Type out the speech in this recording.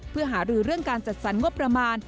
เพื่อหารือเรื่องการจัดสรรงบประมาณ